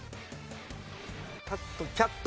ハットキャット。